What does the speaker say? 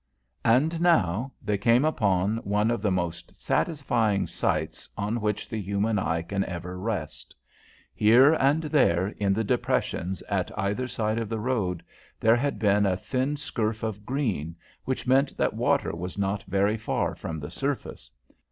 And now they came upon one of the most satisfying sights on which the human eye can ever rest. Here and there, in the depressions at either side of the road, there had been a thin scurf of green, which meant that water was not very far from the surface.